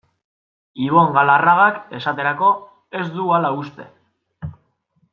Ibon Galarragak, esaterako, ez du hala uste.